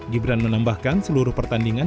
gibran menambahkan seluruh pertandingan